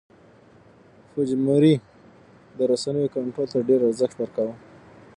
فوجیموري د رسنیو کنټرول ته ډېر ارزښت ورکاوه.